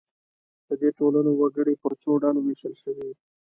د دې ټولنو وګړي پر څو ډلو وېشل شوي.